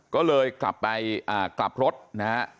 ก็เลยกลับไปกลับรถนะฮะ